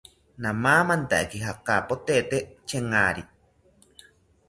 Namamantaki japatote chengari